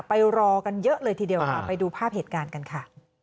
ไปรอกันเยอะเลยทีเดียวค่ะไปดูภาพเหตุการณ์กันค่ะ